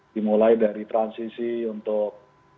dimulai dari transisi untuk